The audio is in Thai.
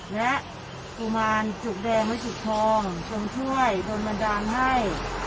และกุมารจุกแดงและจุกทองทรงช่วยโดนบันดาลให้